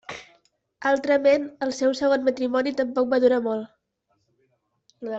Altrament, el seu segon matrimoni tampoc va durar molt.